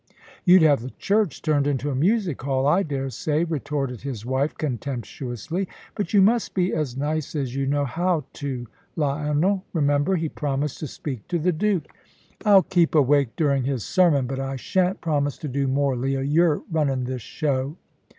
"You'd have the church turned into a music hall, I daresay," retorted his wife, contemptuously. "But you must be as nice as you know how to Lionel. Remember, he promised to speak to the Duke." "I'll keep awake during his sermon, but I shan't promise to do more, Leah. You're runnin' this show."